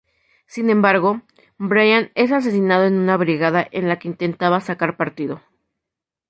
Sin embargo, Bryan es asesinado en una brigada en la que intentaba sacar partido.